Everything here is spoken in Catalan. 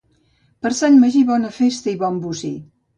Per Sant Magí, bona festa i bon bocí.